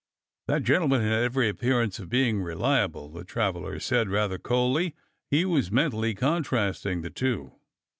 " That gentleman had every appearance of being re liable," the traveler said, rather coldly. He was mentally contrasting the two.